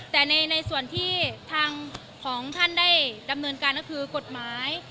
แต่ในส่วนที่ทางของท่านได้ดำเนินการก็คือกฎหมาย